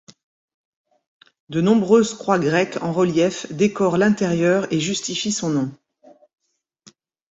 De nombreuses croix grecques en relief décorent l'intérieur et justifient son nom.